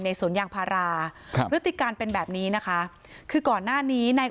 ทีมข่าวของเราได้ข่าวมูลมาว่า